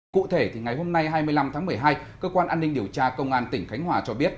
cụ thể ngày hôm nay hai mươi năm tháng một mươi hai cơ quan an ninh điều tra công an tỉnh khánh hòa cho biết